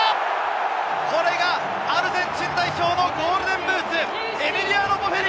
これがアルゼンチン代表のゴールデンブーツ、エミリアノ・ボフェリ。